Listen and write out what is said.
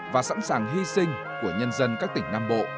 và sẵn sàng hy sinh của nhân dân các tỉnh nam bộ